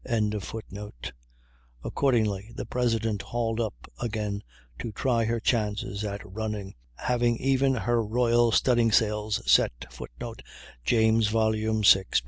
]; accordingly the President hauled up again to try her chances at running, having even her royal studding sails set, [Footnote: James, vi, 538.